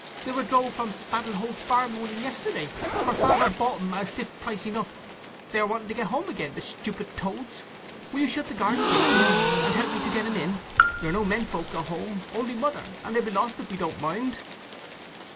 "They were drove from Spaddleholt Farm only yesterday, where Father bought 'em at a stiff price enough. They are wanting to get home again, the stupid toads! Will you shut the garden gate, dear, and help me to get 'em in. There are no men folk at home, only Mother, and they'll be lost if we don't mind."